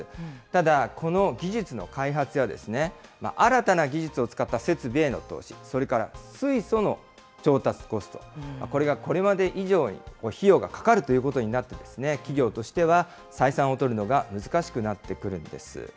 ただ、この技術の開発や、新たな設備を使った設備への投資、それから水素の調達コスト、これがこれまで以上に費用がかかるということになって、企業としては採算を取るのが難しくなってくるんです。